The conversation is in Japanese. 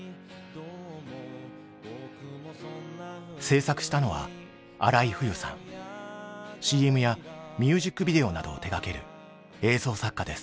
制作したのはＣＭやミュージックビデオなどを手がける映像作家です。